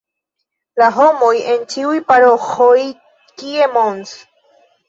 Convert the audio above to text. La homoj en ĉiuj paroĥoj, kie Mons.